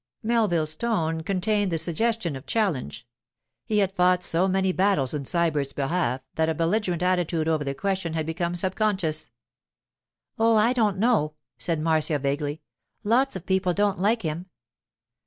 Melville's tone contained the suggestion of a challenge; he had fought so many battles in Sybert's behalf that a belligerent attitude over the question had become subconscious. 'Oh, I don't know,' said Marcia vaguely. 'Lots of people don't like him.